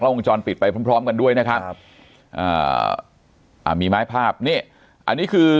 ละวงจรปิดไปพร้อมกันด้วยนะครับมีไม้ภาพนี่อันนี้คือ